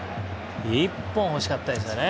１本欲しかったですよね